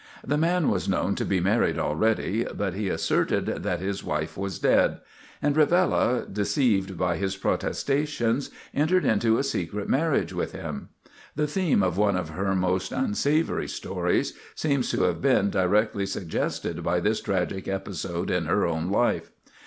The man was known to be married already, but he asserted that his wife was dead; and Rivella, deceived by his protestations, entered into a secret marriage with him. The theme of one of her most unsavory stories seems to have been directly suggested by this tragic episode in her own life.